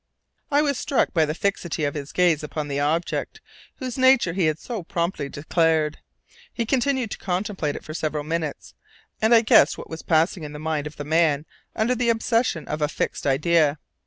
I was struck by the fixity of his gaze upon the object, whose nature he had so promptly declared: he continued to contemplate it for several minutes, and I guessed what was passing in the mind of the man under the obsession of a fixed idea.